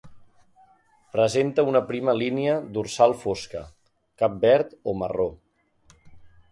Presenta una prima línia dorsal fosca; cap verd o marró.